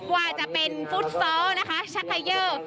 ว่าจะเป็นฟุตซอลนะคะชักไขเยอร์